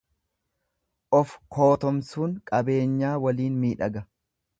Of kootomsuun qabeenyaa waliin miidhaga.